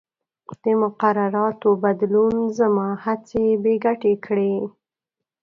د مقرراتو بدلون زما هڅې بې ګټې کړې.